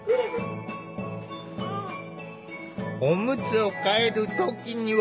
おむつを替える時には。